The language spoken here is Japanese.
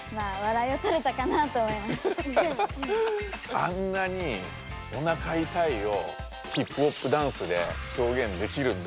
あんなに「おなかいたい」をヒップホップダンスで表現できるんだっていうおどろき。